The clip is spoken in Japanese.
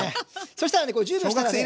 そしたらね１０秒したらね。